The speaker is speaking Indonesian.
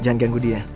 jangan ganggu dia